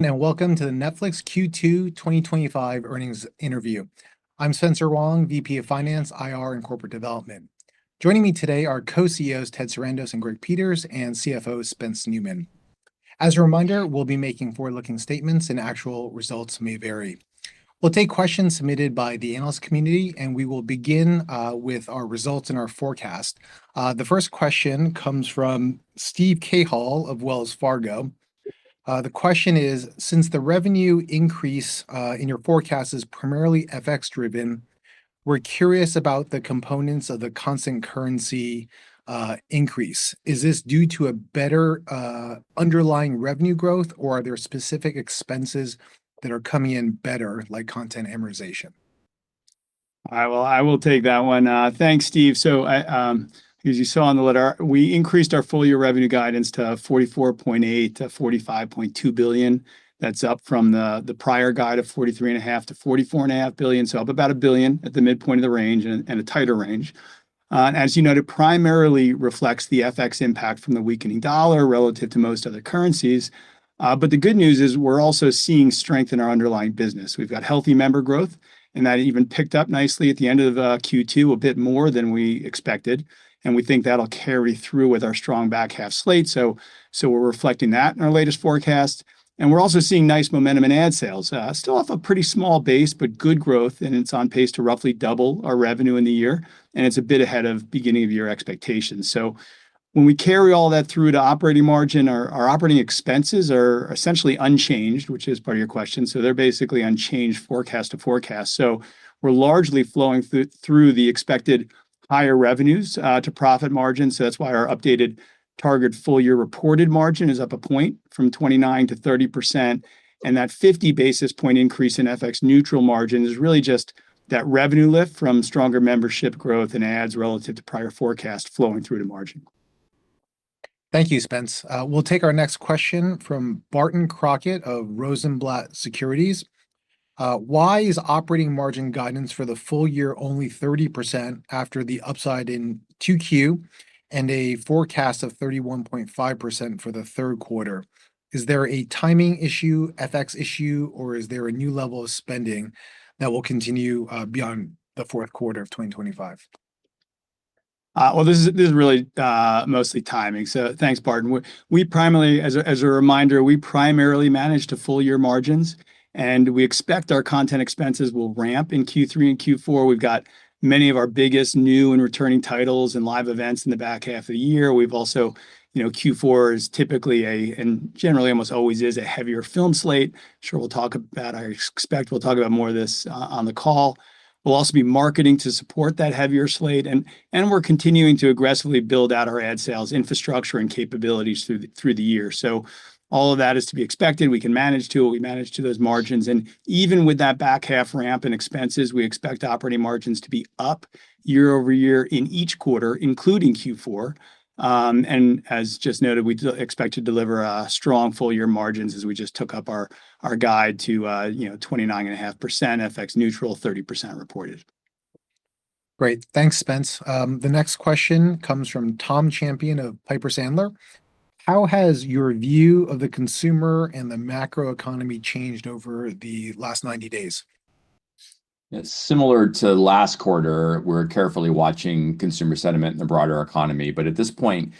Welcome to the Netflix Q2 2025 earnings interview. I'm Spencer Wang, VP of Finance, IR, and Corporate Development. Joining me today are Co-CEOs Ted Sarandos and Greg Peters, and CFO Spence Neumann. As a reminder, we'll be making forward-looking statements, and actual results may vary. We'll take questions submitted by the analyst community, and we will begin with our results and our forecast. The first question comes from Steve Cahill of Wells Fargo. The question is, since the revenue increase in your forecast is primarily FX-driven, we're curious about the componens of the constant currency increase. Is this due to a better underlying revenue growth, or are there specific expenses that are coming in better, like content amortization? I will take that one. Thanks, Steve. As you saw in the letter, we increased our full-year revenue guidance to $44.8 billion-$45.2 billion. That's up from the prior guide of $43.5 billion-$44.5 billion, so up about $1 billion at the midpoint of the range and a tighter range. As you noted, it primarily reflects the FX impact from the weakening dollar relative to most other currencies. The good news is we're also seeing strength in our underlying business. We've got healthy member growth, and that even picked up nicely at the end of Q2, a bit more than we expected. We think that'll carry through with our strong back half slate. We're reflecting that in our latest forecast. We're also seeing nice momentum in ad sales. Still off a pretty small base, but good growth, and it's on pace to roughly double our revenue in the year. It's a bit ahead of beginning-of-year expectations. When we carry all that through to operating margin, our operating expenses are essentially unchanged, which is part of your question. They're basically unchanged forecast to forecast. We're largely flowing through the expected higher revenues to profit margin. That's why our updated target full-year reported margin is up a point from 29%-30%. That 50 basis point increase in FX-neutral margin is really just that revenue lift from stronger membership growth and ads relative to prior forecast flowing through to margin. Thank you, Spence. We'll take our next question from Barton Crockett of Rosenblatt Securities. Why is operating margin guidance for the full year only 30% after the upside in Q2 and a forecast of 31.5% for the third quarter? Is there a timing issue, FX issue, or is there a new level of spending that will continue beyond the fourth quarter of 2025? This is really mostly timing. Thanks, Barton. As a reminder, we primarily manage to full-year margins, and we expect our content expenses will ramp in Q3 and Q4. We've got many of our biggest new and returning titles and live events in the back half of the year. Q4 is typically and generally almost always a heavier film slate. I'm sure we'll talk about, I expect we'll talk about more of this on the call. We'll also be marketing to support that heavier slate. We're continuing to aggressively build out our ad sales infrastructure and capabilities through the year. All of that is to be expected. We can manage to it. We manage to those margins. Even with that back half ramp in expenses, we expect operating margins to be up year over year in each quarter, including Q4. As just noted, we expect to deliver strong full-year margins as we just took up our guide to 29.5% FX-neutral, 30% reported. Great. Thanks, Spence. The next question comes from Tom Champion of Piper Sandler. How has your view of the consumer and the macroeconomy changed over the last 90 days? Similar to last quarter, we're carefully watching consumer sentiment in the broader economy. At this point,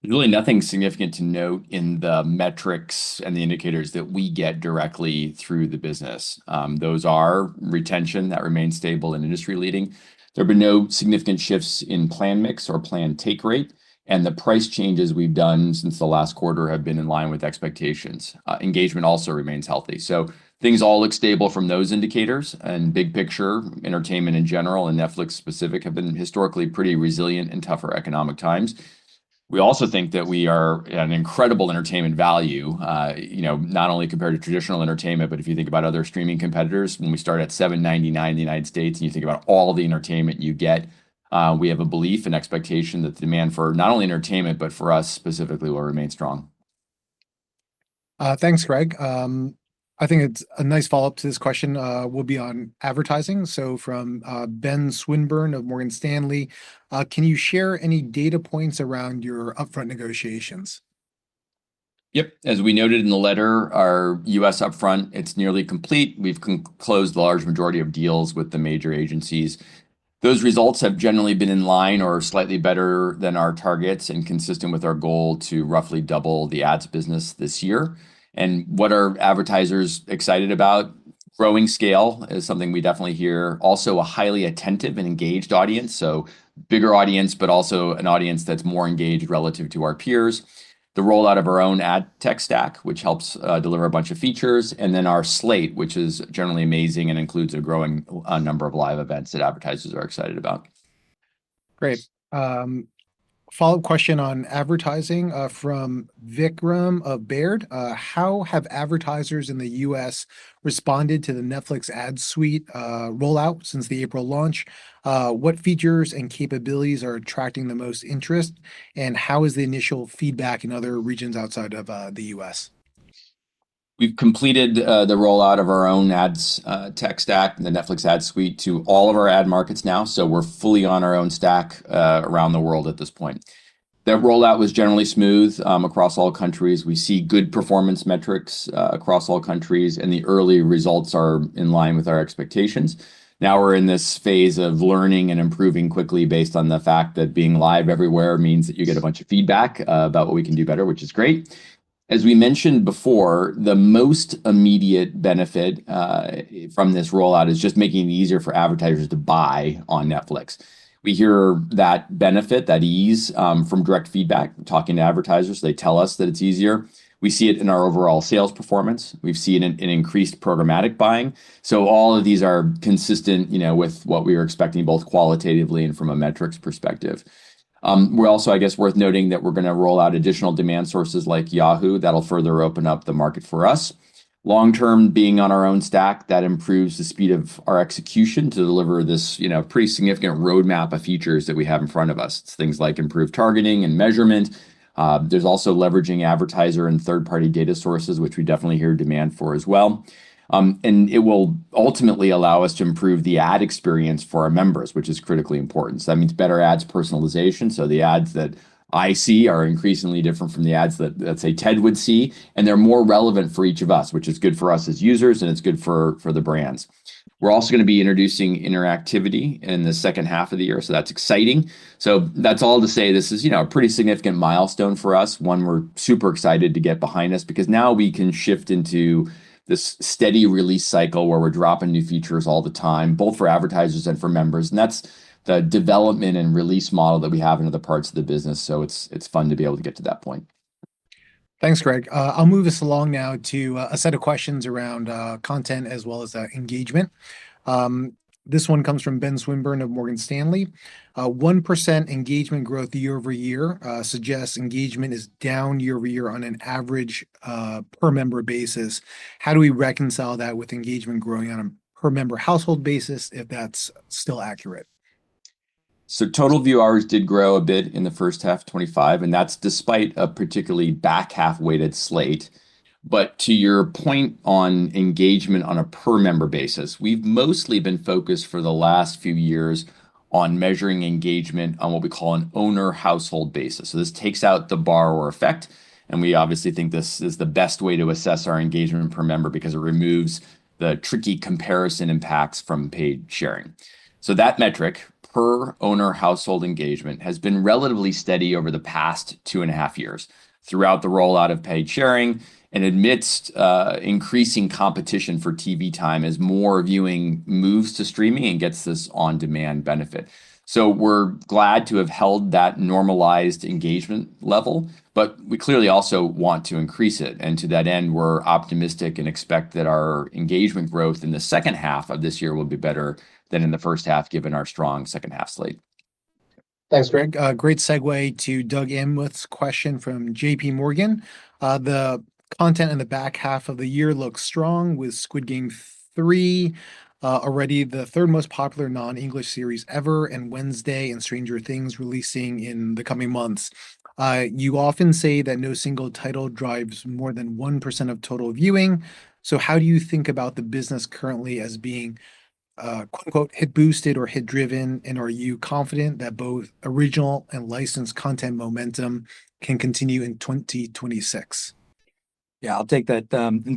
there's really nothing significant to note in the metrics and the indicators that we get directly through the business. Those are retention that remains stable and industry-leading. There have been no significant shifts in plan mix or plan take rate. The price changes we've done since the last quarter have been in line with expectations. Engagement also remains healthy. Things all look stable from those indicators. Big picture, entertainment in general and Netflix specific have been historically pretty resilient in tougher economic times. We also think that we are at an incredible entertainment value, not only compared to traditional entertainment, but if you think about other streaming competitors, when we start at $7.99 in the U.S. and you think about all the entertainment you get, we have a belief and expectation that the demand for not only entertainment, but for us specifically, will remain strong. Thanks, Greg. I think it's a nice follow-up to this question will be on advertising. So from Ben Swinburne of Morgan Stanley, can you share any data points around your upfront negotiations? Yep. As we noted in the letter, our U.S. upfront, it's nearly complete. We've closed the large majority of deals with the major agencies. Those results have generally been in line or slightly better than our targets and consistent with our goal to roughly double the ads business this year. What are advertisers excited about? Growing scale is something we definitely hear. Also, a highly attentive and engaged audience. Bigger audience, but also an audience that's more engaged relative to our peers. The rollout of our own ad tech stack, which helps deliver a bunch of features. Our slate is generally amazing and includes a growing number of live events that advertisers are excited about. Great. Follow-up question on advertising from Vikram of Baird. How have advertisers in the U.S. responded to the Netflix ad suite rollout since the April launch? What features and capabilities are attracting the most interest? How is the initial feedback in other regions outside of the U.S.? We've completed the rollout of our own ad's tech stack and the Netflix ad suite to all of our ad markets now. We are fully on our own stack around the world at this point. That rollout was generally smooth across all countries. We see good performance metrics across all countries, and the early results are in line with our expectations. Now we are in this phase of learning and improving quickly based on the fact that being live everywhere means that you get a bunch of feedback about what we can do better, which is great. As we mentioned before, the most immediate benefit from this rollout is just making it easier for advertisers to buy on Netflix. We hear that benefit, that ease from direct feedback, talking to advertisers. They tell us that it is easier. We see it in our overall sales performance. We've seen an increased programmatic buying. All of these are consistent with what we are expecting both qualitatively and from a metrics perspective. We're also, I guess, worth noting that we're going to roll out additional demand sources like Yahoo! That'll further open up the market for us. Long-term, being on our own stack, that improves the speed of our execution to deliver this pretty significant roadmap of features that we have in front of us. It's things like improved targeting and measurement. There's also leveraging advertiser and third-party data sources, which we definitely hear demand for as well. It will ultimately allow us to improve the ad experience for our members, which is critically important. That means better ads personalization. The ads that I see are increasingly different from the ads that, let's say, Ted would see. They're more relevant for each of us, which is good for us as users, and it's good for the brands. We're also going to be introducing interactivity in the second half of the year. That's exciting. This is a pretty significant milestone for us, one we're super excited to get behind us because now we can shift into this steady release cycle where we're dropping new features all the time, both for advertisers and for members. That's the development and release model that we have in other parts of the business. It's fun to be able to get to that point. Thanks, Greg. I'll move us along now to a set of questions around content as well as engagement. This one comes from Ben Swinburne of Morgan Stanley. 1% engagement growth year over year suggests engagement is down year over year on an average per-member basis. How do we reconcile that with engagement growing on a per-member household basis, if that's still accurate? Total view hours did grow a bit in the first half of 2025, and that's despite a particularly back half-weighted slate. To your point on engagement on a per-member basis, we've mostly been focused for the last few years on measuring engagement on what we call an owner household basis. This takes out the borrower effect. We obviously think this is the best way to assess our engagement per member because it removes the tricky comparison impacts from paid sharing. That metric, per-owner household engagement, has been relatively steady over the past two and a half years throughout the rollout of paid sharing and amidst increasing competition for TV time as more viewing moves to streaming and gets this on-demand benefit. We're glad to have held that normalized engagement level, but we clearly also want to increase it. To that end, we're optimistic and expect that our engagement growth in the second half of this year will be better than in the first half given our strong second-half slate. Thanks, Greg. Great segue to Doug Neumann's question from JPMorgan. The content in the back half of the year looks strong with Squid Game three already the third most popular non-English series ever and Wednesday and Stranger Things releasing in the coming months. You often say that no single title drives more than 1% of total viewing. How do you think about the business currently as being "hit-boosted" or "hit-driven"? Are you confident that both original and licensed content momentum can continue in 2026? Yeah, I'll take that.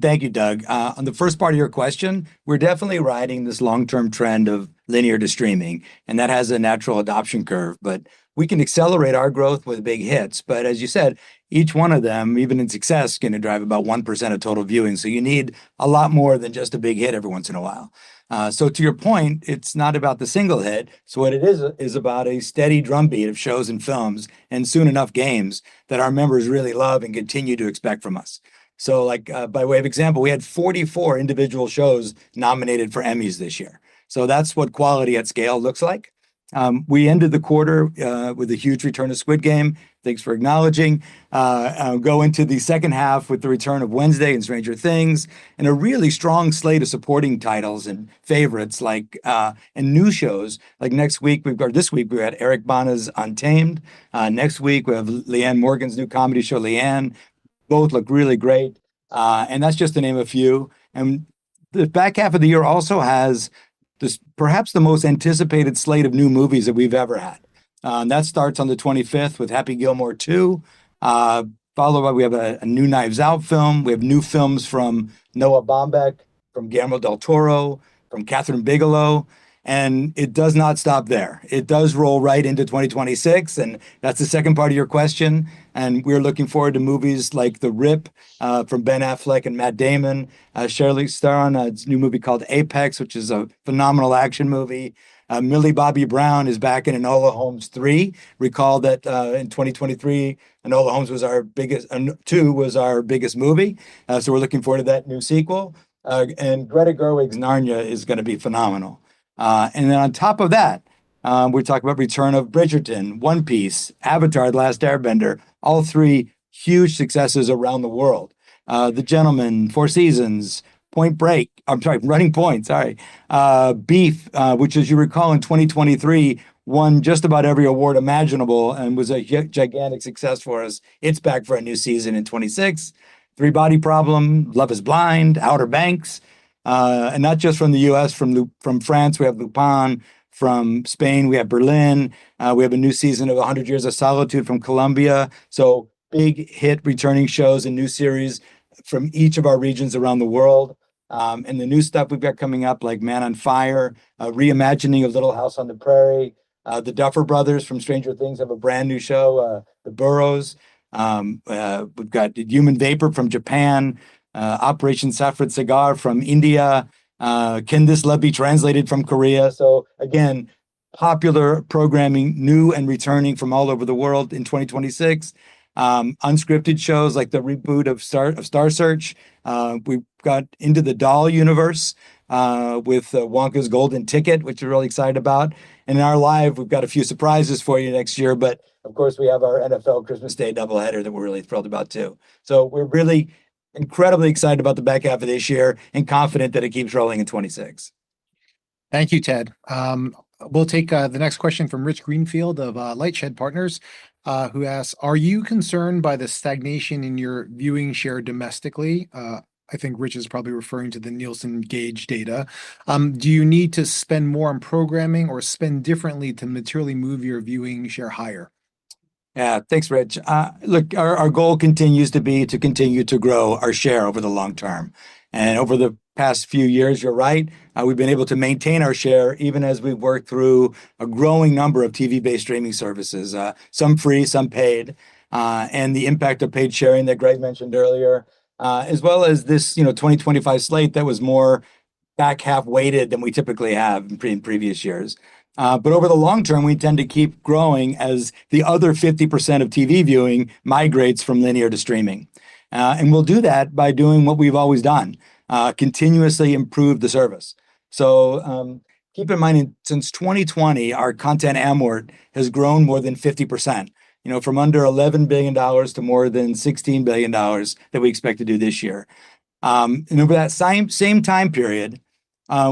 Thank you, Doug. On the first part of your question, we're definitely riding this long-term trend of linear to streaming, and that has a natural adoption curve. We can accelerate our growth with big hits. As you said, each one of them, even in success, is going to drive about 1% of total viewing. You need a lot more than just a big hit every once in a while. To your point, it's not about the single hit. What it is, is about a steady drumbeat of shows and films and soon-enough games that our members really love and continue to expect from us. By way of example, we had 44 individual shows nominated for Emmys this year. That's what quality at scale looks like. We ended the quarter with a huge return to Squid Game. Thanks for acknowledging. Go into the second half with the return of Wednesday and Stranger Things and a really strong slate of supporting titles and favorites and new shows. Like next week, we've got this week we've got Eric Bana's Untamed. Next week, we have Leigh-Anne's new comedy show, Leigh-Anne. Both look really great. And that's just to name a few. The back half of the year also has perhaps the most anticipated slate of new movies that we've ever had. That starts on the 25th with Happy Gilmore two, followed by a new Knives Out film. We have new films from Noah Baumbach, from Guillermo del Toro, from Kathryn Bigelow. It does not stop there. It does roll right into 2026. That's the second part of your question. We're looking forward to movies like The Rip from Ben Affleck and Matt Damon, Charlize Theron on a new movie called Apex, which is a phenomenal action movie. Millie Bobby Brown is back in Enola Holmes three. Recall that in 2023, Enola Holmes two was our biggest movie. We're looking forward to that new sequel. Greta Gerwig's Narnia is going to be phenomenal. On top of that, we talk about return of Bridgerton, One Piece, Avatar: The Last Airbender, all three huge successes around the world. The Gentlemen, Four Seasons, Point Break, I'm sorry, Running Point, sorry, Beef, which, as you recall, in 2023, won just about every award imaginable and was a gigantic success for us. It's back for a new season in 2026. Three Body Problem, Love Is Blind, Outer Banks, and not just from the U.S., from France, we have Lupin, from Spain, we have Berlin. We have a new season of A Hundred Years of Solitude from Colombia. Big hit returning shows and new series from each of our regions around the world. The new stuff we've got coming up, like Man on Fire, reimagining of Little House on the Prairie. The Duffer Brothers from Stranger Things have a brand new show, The Burrows. We've got Human Vapor from Japan, Operation Saffron Cigar from India, Can This Love Be Translated from Korea. Again, popular programming new and returning from all over the world in 2026. Unscripted shows like the reboot of Star Search. We've got Into the Doll Universe with Wonka's Golden Ticket, which we're really excited about. In our live, we've got a few surprises for you next year. Of course, we have our NFL Christmas Day doubleheader that we're really thrilled about too. We're really incredibly excited about the back half of this year and confident that it keeps rolling in 2026. Thank you, Ted. We'll take the next question from Rich Greenfield of LightShed Partners, who asks, "Are you concerned by the stagnation in your viewing share domestically?" I think Rich is probably referring to the Nielsen Gauge data. Do you need to spend more on programming or spend differently to materially move your viewing share higher? Yeah, thanks, Rich. Look, our goal continues to be to continue to grow our share over the long term. Over the past few years, you're right, we've been able to maintain our share even as we've worked through a growing number of TV-based streaming services, some free, some paid. The impact of paid sharing that Greg mentioned earlier, as well as this 2025 slate that was more back half-weighted than we typically have in previous years. Over the long term, we tend to keep growing as the other 50% of TV viewing migrates from linear to streaming. We'll do that by doing what we've always done, continuously improve the service. Keep in mind, since 2020, our content amortization has grown more than 50%, from under $11 billion to more than $16 billion that we expect to do this year. Over that same time period,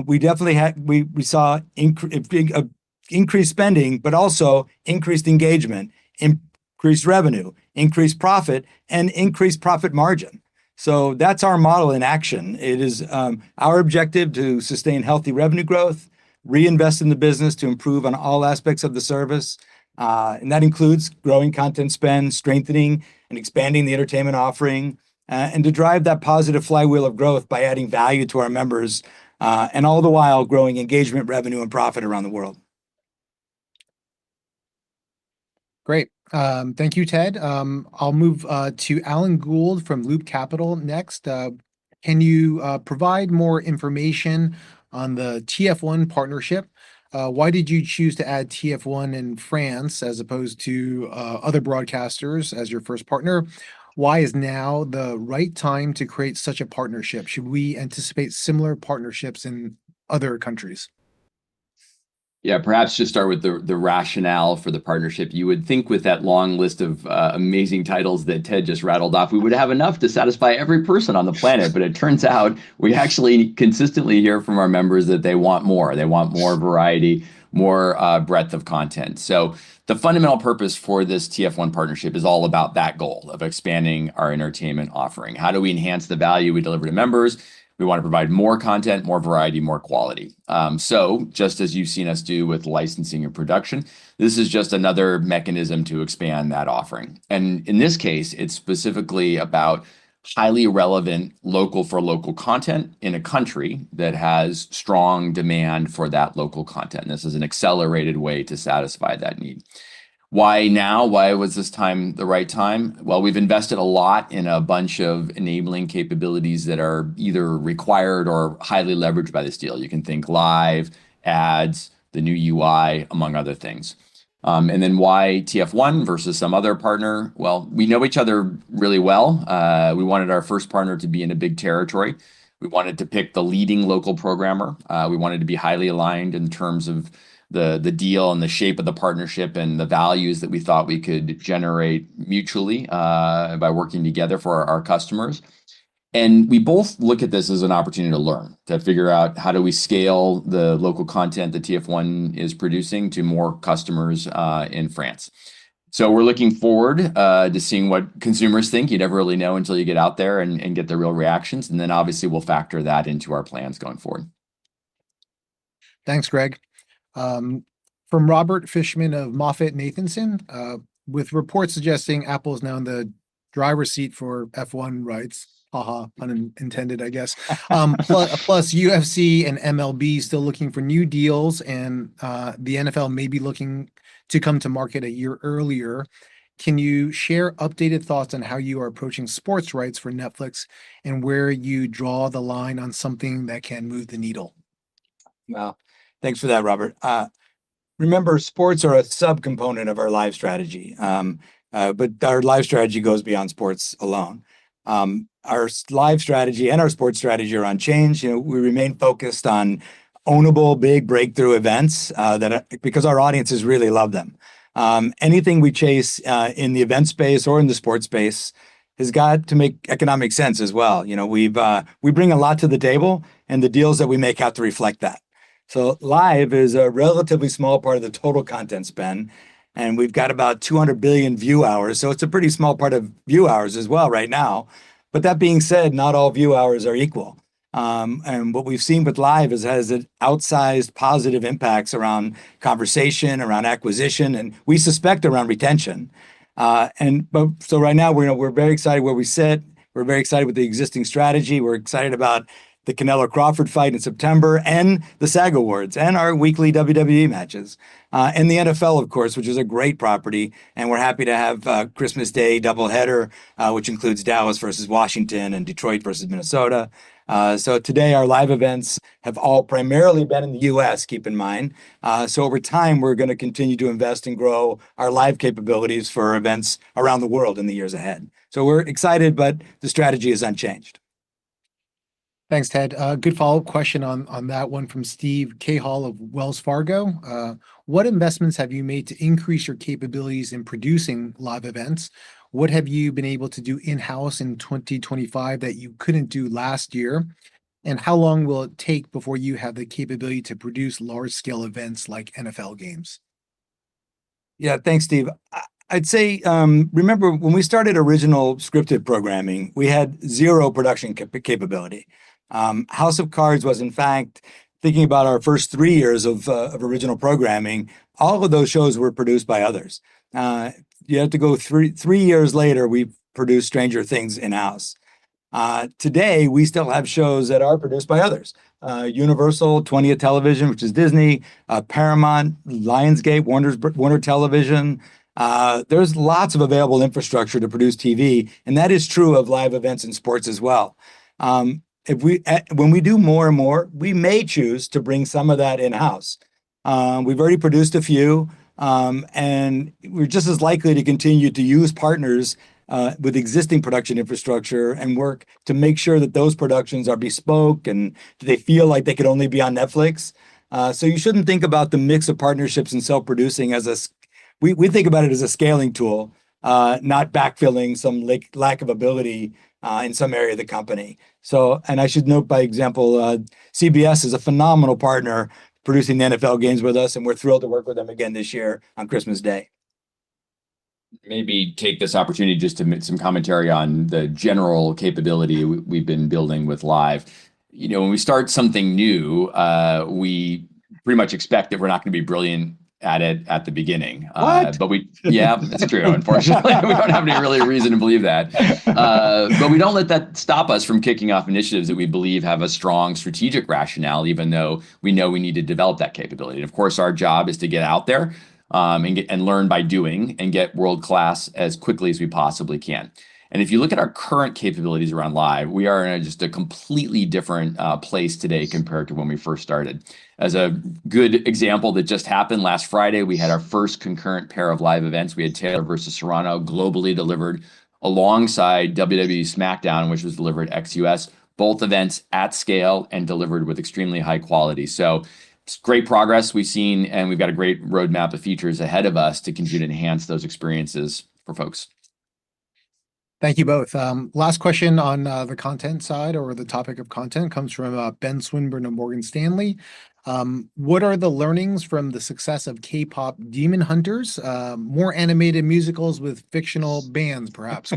we definitely saw increased spending, but also increased engagement, increased revenue, increased profit, and increased profit margin. That is our model in action. It is our objective to sustain healthy revenue growth, reinvest in the business to improve on all aspects of the service. That includes growing content spend, strengthening and expanding the entertainment offering, and to drive that positive flywheel of growth by adding value to our members and all the while growing engagement, revenue, and profit around the world. Great. Thank you, Ted. I'll move to Alan Gould from Loop Capital next. Can you provide more information on the TF1 partnership? Why did you choose to add TF1 in France as opposed to other broadcasters as your first partner? Why is now the right time to create such a partnership? Should we anticipate similar partnerships in other countries? Yeah, perhaps just start with the rationale for the partnership. You would think with that long list of amazing titles that Ted just rattled off, we would have enough to satisfy every person on the planet. It turns out we actually consistently hear from our members that they want more. They want more variety, more breadth of content. The fundamental purpose for this TF1 partnership is all about that goal of expanding our entertainment offering. How do we enhance the value we deliver to members? We want to provide more content, more variety, more quality. Just as you've seen us do with licensing and production, this is just another mechanism to expand that offering. In this case, it's specifically about highly relevant local-for-local content in a country that has strong demand for that local content. This is an accelerated way to satisfy that need. Why now? Why was this time the right time? We have invested a lot in a bunch of enabling capabilities that are either required or highly leveraged by this deal. You can think live, ads, the new UI, among other things. Why TF1 versus some other partner? We know each other really well. We wanted our first partner to be in a big territory. We wanted to pick the leading local programmer. We wanted to be highly aligned in terms of the deal and the shape of the partnership and the values that we thought we could generate mutually by working together for our customers. We both look at this as an opportunity to learn, to figure out how do we scale the local content that TF1 is producing to more customers in France. We are looking forward to seeing what consumers think. You never really know until you get out there and get the real reactions. Obviously, we'll factor that into our plans going forward. Thanks, Greg. From Robert Fishman of MoffettNathanson, with reports suggesting Apple is now in the driver's seat for F1 rights. Haha, pun intended, I guess. Plus UFC and MLB still looking for new deals, and the NFL may be looking to come to market a year earlier. Can you share updated thoughts on how you are approaching sports rights for Netflix and where you draw the line on something that can move the needle? Thanks for that, Robert. Remember, sports are a subcomponent of our live strategy. Our live strategy goes beyond sports alone. Our live strategy and our sports strategy are unchanged. We remain focused on ownable, big breakthrough events because our audiences really love them. Anything we chase in the event space or in the sports space has got to make economic sense as well. We bring a lot to the table, and the deals that we make have to reflect that. Live is a relatively small part of the total content spend. We have about 200 billion view hours. It is a pretty small part of view hours as well right now. That being said, not all view hours are equal. What we have seen with live has outsized positive impacts around conversation, around acquisition, and we suspect around retention. Right now, we're very excited where we sit. We're very excited with the existing strategy. We're excited about the Canelo Crawford fight in September and the SAG Awards and our weekly WWE matches. The NFL, of course, is a great property. We're happy to have the Christmas Day doubleheader, which includes Dallas versus Washington and Detroit versus Minnesota. Today, our live events have all primarily been in the U.S., keep in mind. Over time, we're going to continue to invest and grow our live capabilities for events around the world in the years ahead. We're excited, but the strategy is unchanged. Thanks, Ted. Good follow-up question on that one from Steve Cahill of Wells Fargo. What investments have you made to increase your capabilities in producing live events? What have you been able to do in-house in 2025 that you couldn't do last year? How long will it take before you have the capability to produce large-scale events like NFL games? Yeah, thanks, Steve. I'd say, remember, when we started original scripted programming, we had zero production capability. House of Cards was, in fact, thinking about our first three years of original programming, all of those shows were produced by others. You have to go three years later, we've produced Stranger Things in-house. Today, we still have shows that are produced by others. Universal, 20th Television, which is Disney, Paramount, Lionsgate, Warner Television. There's lots of available infrastructure to produce TV. That is true of live events and sports as well. When we do more and more, we may choose to bring some of that in-house. We've already produced a few. We're just as likely to continue to use partners with existing production infrastructure and work to make sure that those productions are bespoke and they feel like they could only be on Netflix. You shouldn't think about the mix of partnerships and self-producing as a, we think about it as a scaling tool, not backfilling some lack of ability in some area of the company. I should note, by example, CBS is a phenomenal partner producing the NFL games with us. We're thrilled to work with them again this year on Christmas Day. Maybe take this opportunity just to make some commentary on the general capability we've been building with live. When we start something new, we pretty much expect that we're not going to be brilliant at it at the beginning. What? Yeah, that's true, unfortunately. We don't have any real reason to believe that. We don't let that stop us from kicking off initiatives that we believe have a strong strategic rationale, even though we know we need to develop that capability. Of course, our job is to get out there and learn by doing and get world-class as quickly as we possibly can. If you look at our current capabilities around live, we are in just a completely different place today compared to when we first started. As a good example that just happened last Friday, we had our first concurrent pair of live events. We had Taylor versus Serrano globally delivered alongside WWE SmackDown, which was delivered ex-U.S., both events at scale and delivered with extremely high quality. It's great progress we've seen. We've got a great roadmap of features ahead of us to continue to enhance those experiences for folks. Thank you both. Last question on the content side or the topic of content comes from Ben Swinburne of Morgan Stanley. What are the learnings from the success of K-pop Demon Hunters? More animated musicals with fictional bands, perhaps?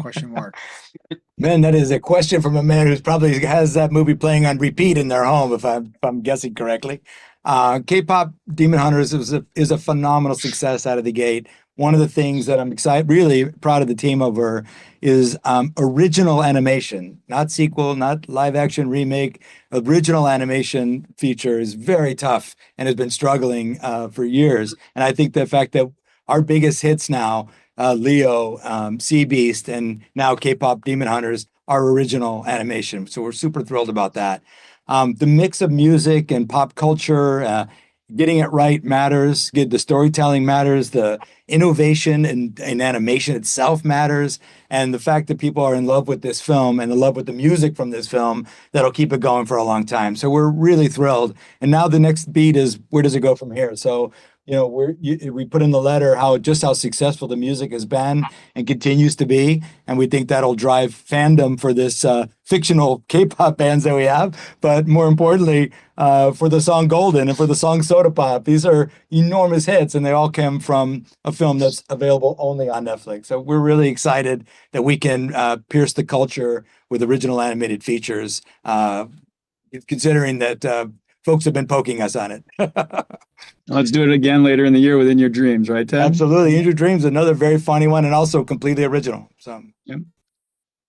Man, that is a question from a man who probably has that movie playing on repeat in their home, if I'm guessing correctly. K-pop Demon Hunters is a phenomenal success out of the gate. One of the things that I'm really proud of the team over is original animation, not sequel, not live-action remake. Original animation feature is very tough and has been struggling for years. I think the fact that our biggest hits now, Leo, Sea Beast, and now K-pop Demon Hunters are original animation. We are super thrilled about that. The mix of music and pop culture, getting it right matters. The storytelling matters. The innovation in animation itself matters. The fact that people are in love with this film and in love with the music from this film, that'll keep it going for a long time. We are really thrilled. The next beat is, where does it go from here? We put in the letter just how successful the music has been and continues to be. We think that'll drive fandom for this fictional K-pop bands that we have, but more importantly, for the song Golden and for the song Soda Pop. These are enormous hits. They all come from a film that's available only on Netflix. We are really excited that we can pierce the culture with original animated features, considering that folks have been poking us on it. Let's do it again later in the year with In Your Dreams, right, Ted? Absolutely. In Your Dreams is another very funny one and also completely original. Yep.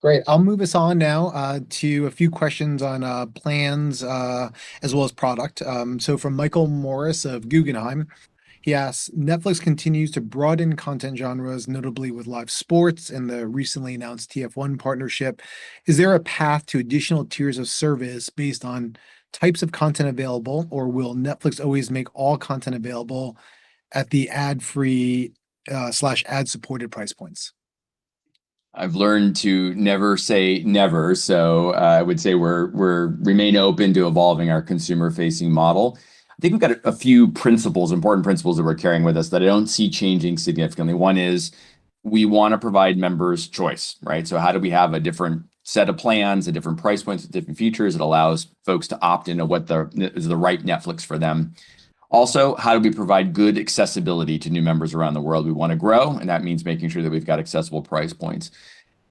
Great. I'll move us on now to a few questions on plans as well as product. From Michael Morris of Guggenheim, he asks, Netflix continues to broaden content genres, notably with live sports and the recently announced TF1 partnership. Is there a path to additional tiers of service based on types of content available, or will Netflix always make all content available at the ad-free/ad-supported price points? I've learned to never say never. I would say we remain open to evolving our consumer-facing model. I think we've got a few important principles that we're carrying with us that I don't see changing significantly. One is we want to provide members choice, right? How do we have a different set of plans, a different price point, different features that allows folks to opt into what is the right Netflix for them? Also, how do we provide good accessibility to new members around the world? We want to grow. That means making sure that we've got accessible price points.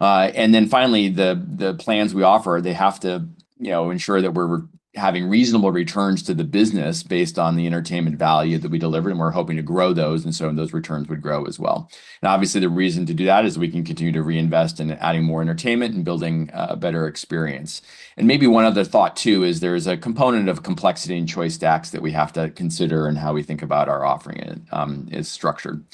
Finally, the plans we offer have to ensure that we're having reasonable returns to the business based on the entertainment value that we delivered. We're hoping to grow those, and those returns would grow as well. Obviously, the reason to do that is we can continue to reinvest in adding more entertainment and building a better experience. Maybe one other thought, too, is there is a component of complexity and choice stacks that we have to consider in how we think about our offering is structured.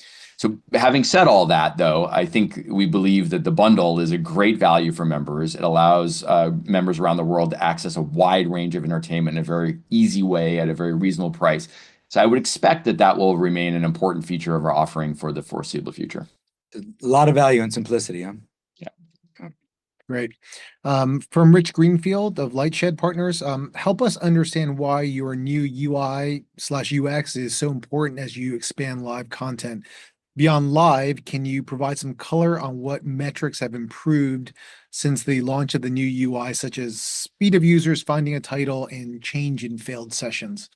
Having said all that, though, I think we believe that the bundle is a great value for members. It allows members around the world to access a wide range of entertainment in a very easy way at a very reasonable price. I would expect that that will remain an important feature of our offering for the foreseeable future. A lot of value and simplicity, huh? Yeah. Great. From Rich Greenfield of LightShed Partners, help us understand why your new UI/UX is so important as you expand live content. Beyond live, can you provide some color on what metrics have improved since the launch of the new UI, such as speed of users finding a title and change in failed sessions?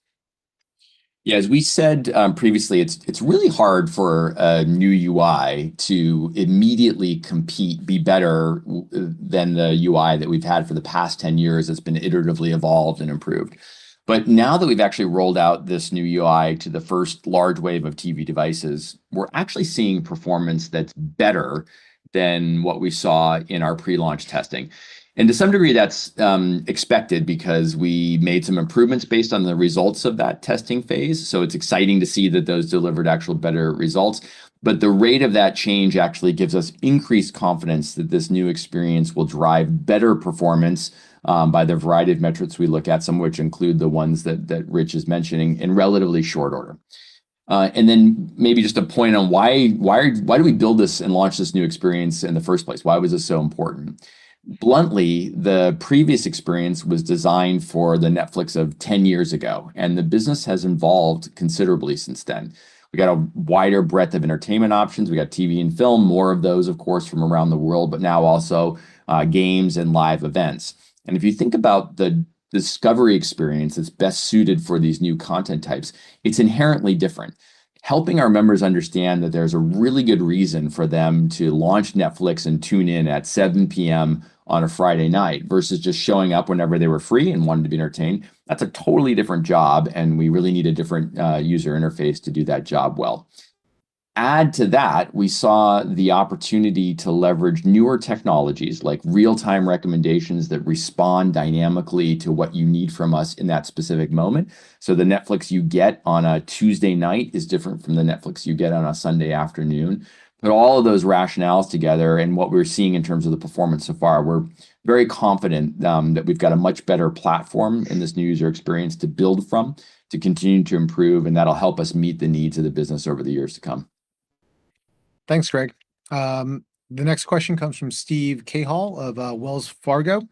Yeah, as we said previously, it's really hard for a new UI to immediately compete, be better than the UI that we've had for the past 10 years that's been iteratively evolved and improved. Now that we've actually rolled out this new UI to the first large wave of TV devices, we're actually seeing performance that's better than what we saw in our pre-launch testing. To some degree, that's expected because we made some improvements based on the results of that testing phase. It's exciting to see that those delivered actual better results. The rate of that change actually gives us increased confidence that this new experience will drive better performance by the variety of metrics we look at, some of which include the ones that Rich is mentioning in relatively short order. Maybe just a point on why did we build this and launch this new experience in the first place? Why was this so important? Bluntly, the previous experience was designed for the Netflix of 10 years ago. The business has evolved considerably since then. We got a wider breadth of entertainment options. We got TV and film, more of those, of course, from around the world, but now also games and live events. If you think about the discovery experience that's best suited for these new content types, it's inherently different. Helping our members understand that there's a really good reason for them to launch Netflix and tune in at 7:00 P.M. on a Friday night versus just showing up whenever they were free and wanted to be entertained, that's a totally different job. We really need a different user interface to do that job well. Add to that, we saw the opportunity to leverage newer technologies like real-time recommendations that respond dynamically to what you need from us in that specific moment. The Netflix you get on a Tuesday night is different from the Netflix you get on a Sunday afternoon. Put all of those rationales together and what we're seeing in terms of the performance so far, we're very confident that we've got a much better platform in this new user experience to build from, to continue to improve. That'll help us meet the needs of the business over the years to come. Thanks, Greg. The next question comes from Steve Cahill of Wells Fargo.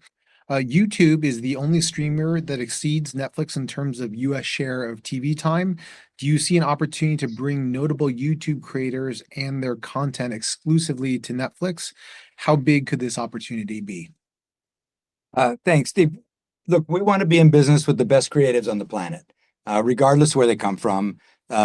YouTube is the only streamer that exceeds Netflix in terms of U.S. share of TV time. Do you see an opportunity to bring notable YouTube creators and their content exclusively to Netflix? How big could this opportunity be? Thanks, Steve. Look, we want to be in business with the best creatives on the planet, regardless of where they come from.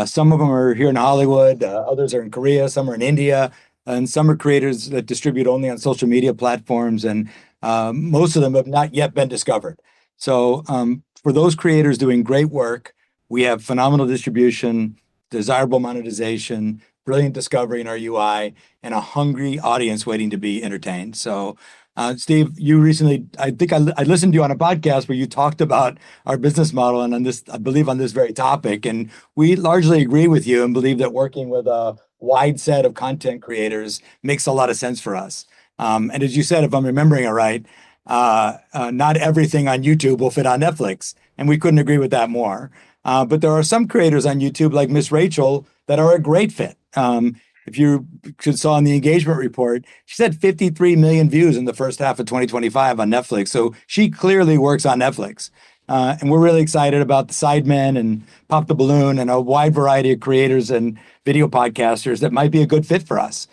Some of them are here in Hollywood. Others are in Korea. Some are in India. And some are creators that distribute only on social media platforms. Most of them have not yet been discovered. For those creators doing great work, we have phenomenal distribution, desirable monetization, brilliant discovery in our UI, and a hungry audience waiting to be entertained. Steve, I think I listened to you on a podcast where you talked about our business model and I believe on this very topic. We largely agree with you and believe that working with a wide set of content creators makes a lot of sense for us. As you said, if I'm remembering it right, not everything on YouTube will fit on Netflix. We couldn't agree with that more. There are some creators on YouTube like Miss Rachel that are a great fit. If you saw on the engagement report, she said 53 million views in the first half of 2025 on Netflix. She clearly works on Netflix. We're really excited about the Sidemen and Pop the Balloon, and a wide variety of creators and video podcasters that might be a good fit for us,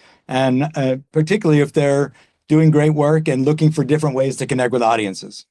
particularly if they're doing great work and looking for different ways to connect with audiences.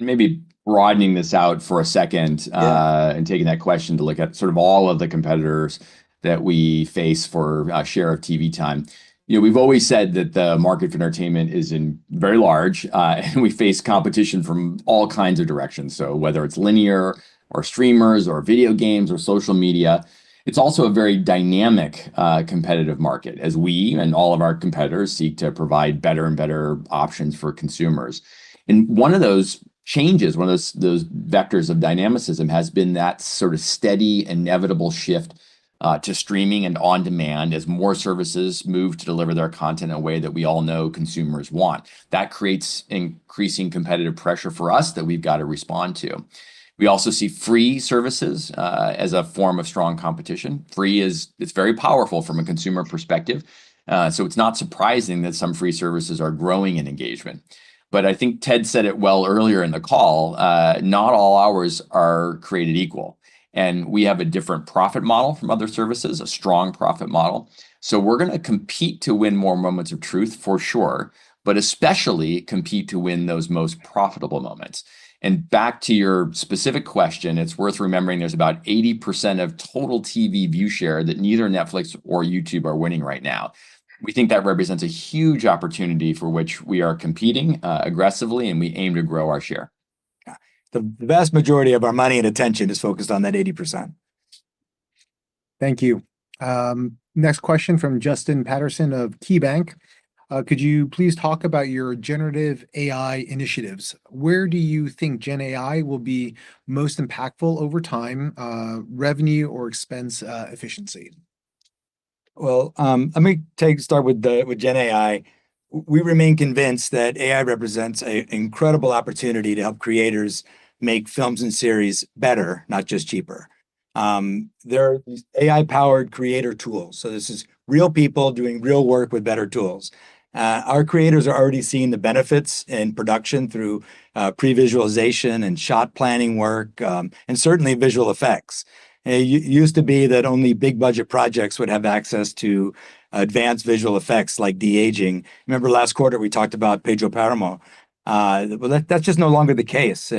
Maybe broadening this out for a second and taking that question to look at sort of all of the competitors that we face for our share of TV time. We've always said that the market for entertainment is very large. We face competition from all kinds of directions. Whether it's linear or streamers or video games or social media, it's also a very dynamic competitive market as we and all of our competitors seek to provide better and better options for consumers. One of those changes, one of those vectors of dynamicism has been that sort of steady, inevitable shift to streaming and on-demand as more services move to deliver their content in a way that we all know consumers want. That creates increasing competitive pressure for us that we've got to respond to. We also see free services as a form of strong competition. Free is very powerful from a consumer perspective. It is not surprising that some free services are growing in engagement. I think Ted said it well earlier in the call, not all hours are created equal. We have a different profit model from other services, a strong profit model. We are going to compete to win more moments of truth for sure, but especially compete to win those most profitable moments. Back to your specific question, it is worth remembering there is about 80% of total TV view share that neither Netflix nor YouTube are winning right now. We think that represents a huge opportunity for which we are competing aggressively. We aim to grow our share. The vast majority of our money and attention is focused on that 80%. Thank you. Next question from Justin Patterson of KeyBanc. Could you please talk about your generative AI initiatives? Where do you think Gen AI will be most impactful over time, revenue or expense efficiency? Let me start with Gen AI. We remain convinced that AI represents an incredible opportunity to help creators make films and series better, not just cheaper. There are these AI-powered creator tools. This is real people doing real work with better tools. Our creators are already seeing the benefits in production through pre-visualization and shot planning work, and certainly visual effects. It used to be that only big budget projects would have access to advanced visual effects like de-aging. Remember last quarter, we talked about Pedro Páramo. That is just no longer the case.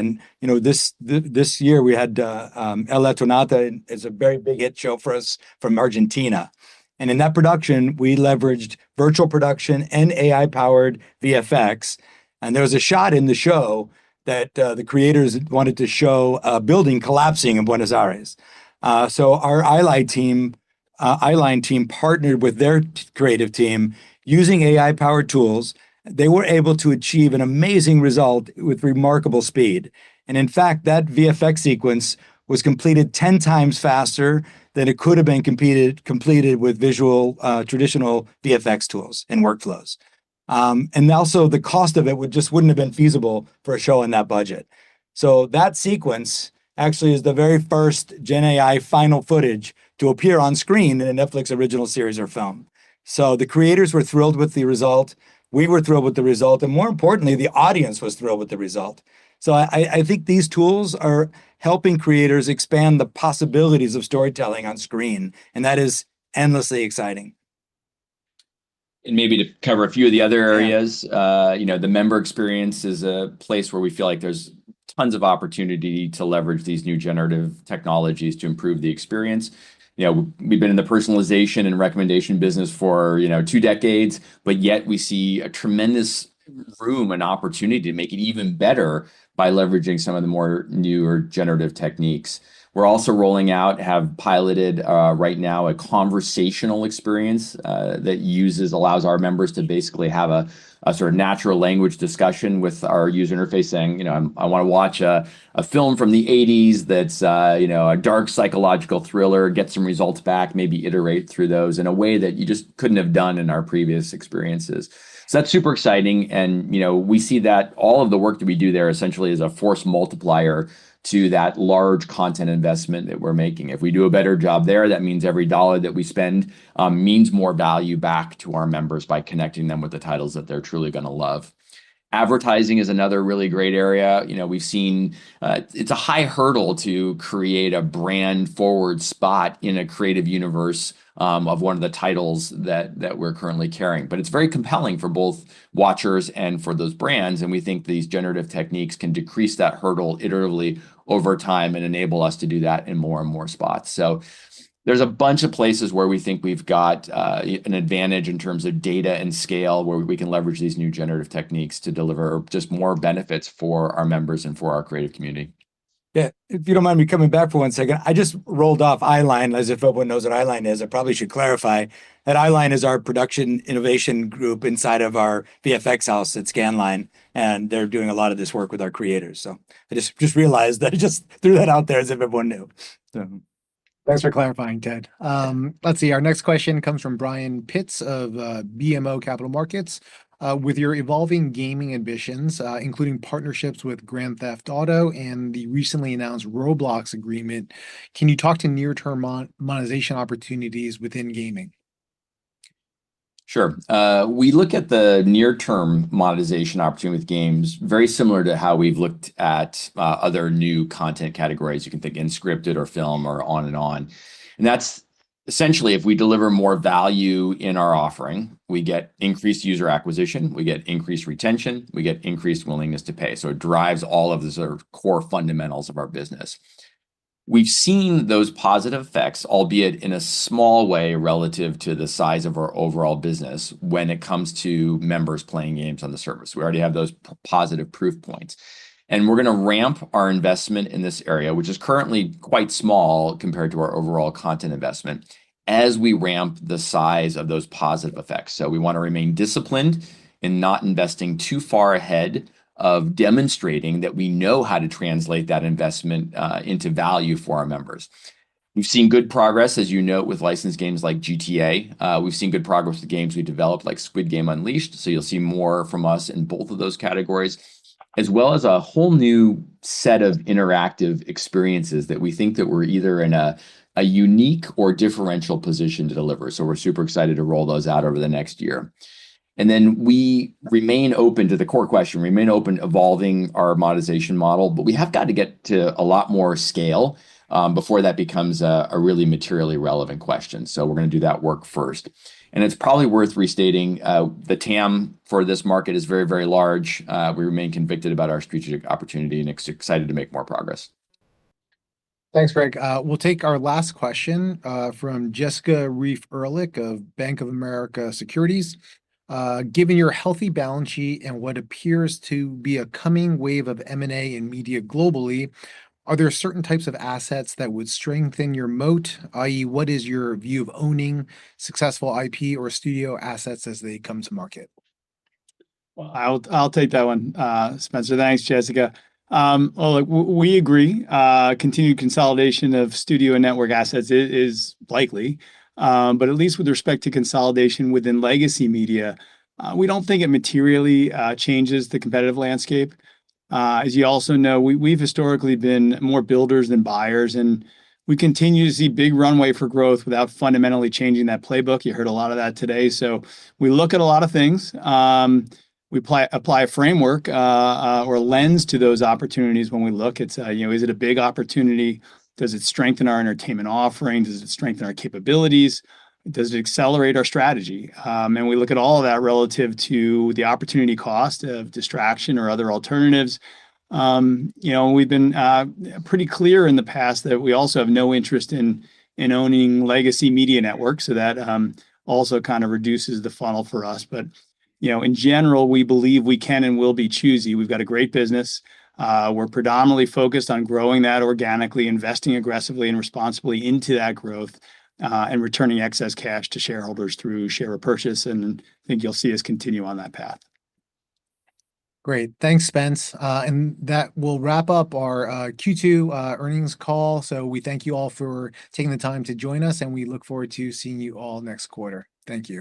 This year, we had El La Tonnata, a very big hit show for us from Argentina. In that production, we leveraged virtual production and AI-powered VFX. There was a shot in the show that the creators wanted to show a building collapsing in Buenos Aires. Our Eyeline team partnered with their creative team using AI-powered tools. They were able to achieve an amazing result with remarkable speed. In fact, that VFX sequence was completed 10 times faster than it could have been completed with traditional VFX tools and workflows. Also, the cost of it just would not have been feasible for a show on that budget. That sequence actually is the very first Gen AI final footage to appear on screen in a Netflix original series or film. The creators were thrilled with the result. We were thrilled with the result. More importantly, the audience was thrilled with the result. I think these tools are helping creators expand the possibilities of storytelling on screen. That is endlessly exciting. Maybe to cover a few of the other areas, the member experience is a place where we feel like there's tons of opportunity to leverage these new generative technologies to improve the experience. We've been in the personalization and recommendation business for two decades. Yet, we see a tremendous room and opportunity to make it even better by leveraging some of the more newer generative techniques. We're also rolling out, have piloted right now a conversational experience that allows our members to basically have a sort of natural language discussion with our user interface saying, "I want to watch a film from the '80s that's a dark psychological thriller." Get some results back. Maybe iterate through those in a way that you just couldn't have done in our previous experiences. That's super exciting. We see that all of the work that we do there essentially is a force multiplier to that large content investment that we're making. If we do a better job there, that means every dollar that we spend means more value back to our members by connecting them with the titles that they're truly going to love. Advertising is another really great area. We've seen it's a high hurdle to create a brand-forward spot in a creative universe of one of the titles that we're currently carrying. It is very compelling for both watchers and for those brands. We think these generative techniques can decrease that hurdle iteratively over time and enable us to do that in more and more spots. There's a bunch of places where we think we've got an advantage in terms of data and scale where we can leverage these new generative techniques to deliver just more benefits for our members and for our creative community. Yeah. If you do not mind me coming back for one second, I just rolled off Eyeline as if everyone knows what Eyeline is. I probably should clarify that Eyeline is our production innovation group inside of our VFX house at Scanline. They are doing a lot of this work with our creators. I just realized that I just threw that out there as if everyone knew. Thanks for clarifying, Ted. Let's see. Our next question comes from Brian Pitts of BMO Capital Markets. With your evolving gaming ambitions, including partnerships with Grand Theft Auto and the recently announced Roblox agreement, can you talk to near-term monetization opportunities within gaming? Sure. We look at the near-term monetization opportunity with games very similar to how we've looked at other new content categories. You can think of unscripted or film or on and on. That's essentially, if we deliver more value in our offering, we get increased user acquisition. We get increased retention. We get increased willingness to pay. It drives all of the sort of core fundamentals of our business. We've seen those positive effects, albeit in a small way relative to the size of our overall business when it comes to members playing games on the service. We already have those positive proof points. We're going to ramp our investment in this area, which is currently quite small compared to our overall content investment, as we ramp the size of those positive effects. We want to remain disciplined in not investing too far ahead of demonstrating that we know how to translate that investment into value for our members. We've seen good progress, as you note, with licensed games like GTA. We've seen good progress with games we developed like Squid Game Unleashed. You will see more from us in both of those categories, as well as a whole new set of interactive experiences that we think that we are either in a unique or differential position to deliver. We are super excited to roll those out over the next year. We remain open to the core question. We remain open to evolving our monetization model. We have got to get to a lot more scale before that becomes a really materially relevant question. We are going to do that work first. It is probably worth restating, the TAM for this market is very, very large. We remain convicted about our strategic opportunity and excited to make more progress. Thanks, Greg. We'll take our last question from Jessica Reef Ehrlich of Bank of America Securities. Given your healthy balance sheet and what appears to be a coming wave of M&A in media globally, are there certain types of assets that would strengthen your moat, i.e., what is your view of owning successful IP or studio assets as they come to market? I'll take that one, Spencer. Thanks, Jessica. We agree continued consolidation of studio and network assets is likely. At least with respect to consolidation within legacy media, we do not think it materially changes the competitive landscape. As you also know, we have historically been more builders than buyers. We continue to see big runway for growth without fundamentally changing that playbook. You heard a lot of that today. We look at a lot of things. We apply a framework or a lens to those opportunities when we look. It is, is it a big opportunity? Does it strengthen our entertainment offering? Does it strengthen our capabilities? Does it accelerate our strategy? We look at all of that relative to the opportunity cost of distraction or other alternatives. We have been pretty clear in the past that we also have no interest in owning legacy media networks. That also kind of reduces the funnel for us. In general, we believe we can and will be choosy. We've got a great business. We're predominantly focused on growing that organically, investing aggressively and responsibly into that growth, and returning excess cash to shareholders through share purchase. I think you'll see us continue on that path. Great. Thanks, Spence. That will wrap up our Q2 earnings call. We thank you all for taking the time to join us. We look forward to seeing you all next quarter. Thank you.